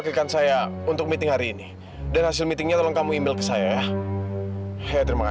sampai jumpa di video selanjutnya